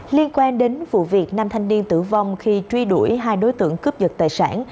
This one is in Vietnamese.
liên quan đến vụ việc năm thanh niên tử vong khi truy đuổi hai đối tượng cướp giật tài sản